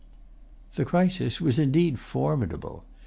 The crisis was indeed formidable.